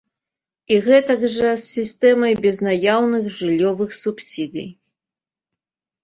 І гэтак жа з сістэмай безнаяўных жыллёвых субсідый!